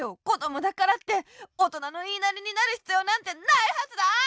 こどもだからっておとなのいいなりになるひつようなんてないはずだ！